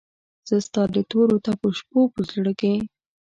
زه ستا دتوروتپوشپوپه زړه کې